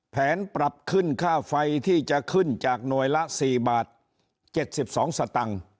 ปรับขึ้นค่าไฟที่จะขึ้นจากหน่วยละ๔บาท๗๒สตังค์